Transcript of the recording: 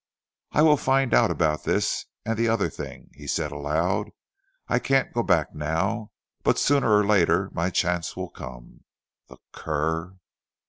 "I will find out about this and the other thing," he said aloud. "I can't go back now, but sooner or later my chance will come. The cur!"